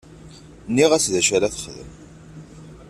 Nniɣ-as d acu ara texdem.